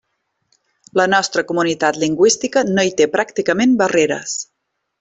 La nostra comunitat lingüística no hi té pràcticament barreres.